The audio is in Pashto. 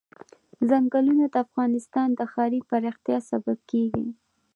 ځنګلونه د افغانستان د ښاري پراختیا سبب کېږي.